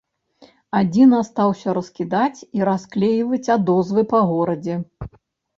Адзін астаўся раскідаць і расклейваць адозвы па горадзе.